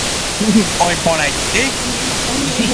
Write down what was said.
nañanembovy'ái péicha erérõ.